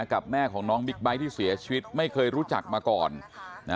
กับแม่ของน้องบิ๊กไบท์ที่เสียชีวิตไม่เคยรู้จักมาก่อน